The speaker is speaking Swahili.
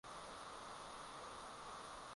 ya mwaka elfu moja mia tisa themanini na mbili